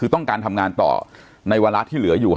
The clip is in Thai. คือต้องการทำงานต่อในวาระที่เหลืออยู่